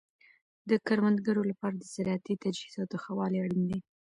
د کروندګرو لپاره د زراعتي تجهیزاتو ښه والی اړین دی.